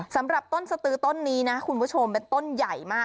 สำหรับต้นสตือต้นนี้นะคุณผู้ชมเป็นต้นใหญ่มาก